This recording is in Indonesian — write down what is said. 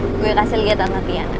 nih gue kasih liat tante tiana